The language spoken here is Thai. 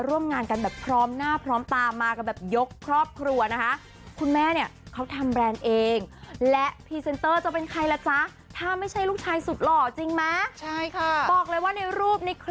เราคิดอยู่แล้วแหละว่าน้องจะต้องได้เป็น